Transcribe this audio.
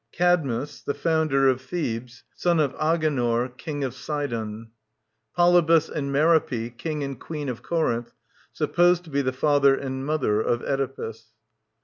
^ Cadmus, the founder of Thebes ; son of Aghior, KingofSidon. POLYBUS AND MEROPfi, King and Queen of Corinth, supposed to be the father and mother of Oedipus.